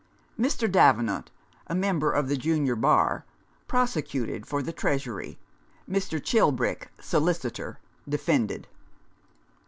Mr. Davenant, a member of the Junior Bar, prosecuted for the Treasury, Mr. Chilbrick, solicitor, defended.